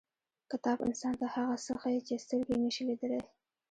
• کتاب انسان ته هغه څه ښیي چې سترګې یې نشي لیدلی.